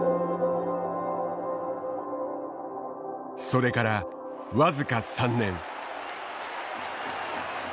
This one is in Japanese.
それから僅か３年。